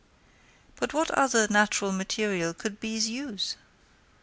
But what other natural material could bees use?